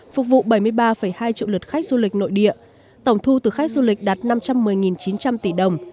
phục vụ bảy mươi ba hai triệu lượt khách du lịch nội địa tổng thu từ khách du lịch đạt năm trăm một mươi chín trăm linh tỷ đồng